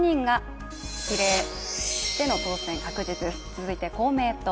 続いて公明党。